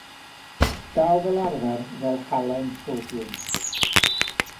Daw fel arfer fel halen sodiwm.